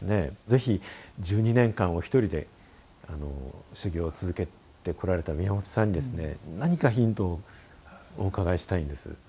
是非１２年間お一人で修行を続けてこられた宮本さんにですね何かヒントをお伺いしたいんです。